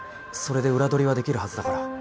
それで裏取りはできるはずだから。